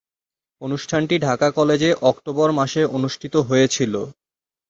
অনুষ্ঠানটি ঢাকা কলেজে অক্টোবর মাসে অনুষ্ঠিত হয়েছিলো।